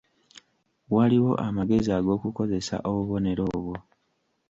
Waliwo amagezi ag'okukozesa obubonero obwo.